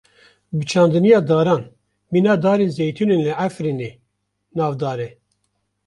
Bi çandiniya daran, mîna darên zeytûnan li Efrînê, navdar e.